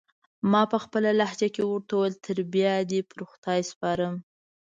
ما پخپله لهجه کې ورته وویل: تر بیا دې پر خدای سپارم.